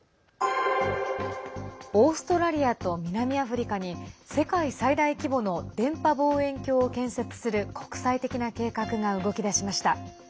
オーストラリアと南アフリカに世界最大規模の電波望遠鏡を建設する国際的な計画が動き出しました。